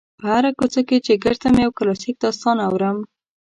په هره کوڅه کې چې ګرځم یو کلاسیک داستان اورم.